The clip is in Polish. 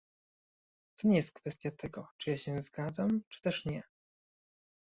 To nie jest kwestia tego, czy ja się zgadzam, czy też nie